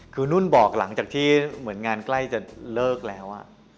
คือนุ่นบอกหลังจากที่เหมือนงานใกล้จะเลิกแล้ว